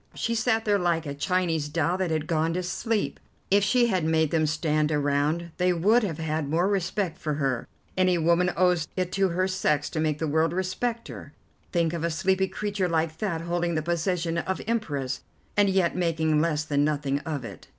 She sat there like a Chinese doll that had gone to sleep. If she had made them stand around they would have had more respect for her. Any woman owes it to her sex to make the world respect her. Think of a sleepy creature like that holding the position of Empress, and yet making less than nothing of it."